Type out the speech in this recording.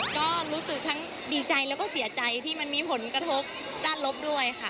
ก็รู้สึกทั้งดีใจแล้วก็เสียใจที่มันมีผลกระทบด้านลบด้วยค่ะ